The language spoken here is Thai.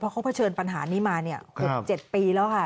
เขาเผชิญปัญหานี้มา๖๗ปีแล้วค่ะ